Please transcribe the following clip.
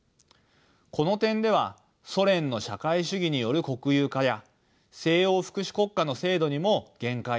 この点ではソ連の社会主義による国有化や西欧福祉国家の制度にも限界や問題がありました。